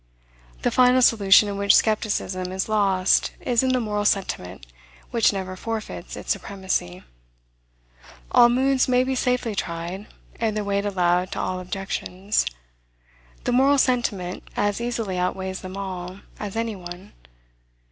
The final solution in which skepticism is lost is in the moral sentiment, which never forfeits its supremacy. All moods may be safely tried, and their weight allowed to all objections: the moral sentiment as easily outweighs them all, as any one.